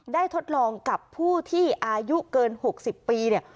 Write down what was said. ได้ทดลองกับผู้ที่อายุเกิน๖๐ปี